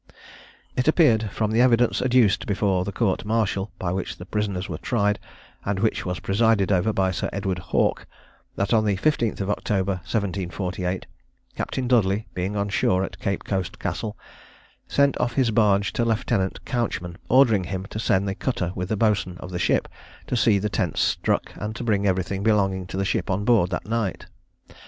It appeared from the evidence adduced before the court martial, by which the prisoners were tried, and which was presided over by Sir Edward Hawke, that on the 15th October 1748, Captain Dudley, being on shore at Cape coast Castle, sent off his barge to Lieutenant Couchman, ordering him to send the cutter with the boatswain of the ship, to see the tents struck, and to bring everything belonging to the ship on board that night.